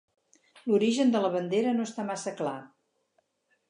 L'origen de la bandera no està massa clar.